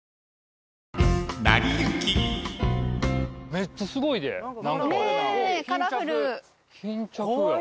めっちゃすごいで何か巾着や。